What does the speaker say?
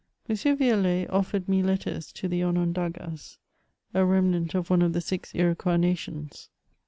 M . Violet offered me letters to the Onondagas, a remnant of one of the six Iroquois nations.